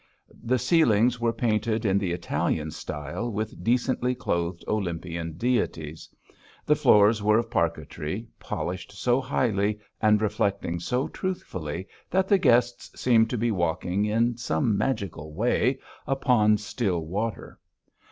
The ceilings were painted in the Italian style, with decently clothed Olympian deities; the floors were of parquetry, polished so highly, and reflecting so truthfully, that the guests seemed to be walking, in some magical way, upon still water.